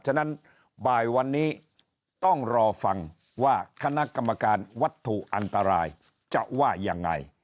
ฉะนั้นบ่ายวันนี้ต้องรอฟังว่าคณะกรรมการวัตถุอันตรายจะว่ายังไง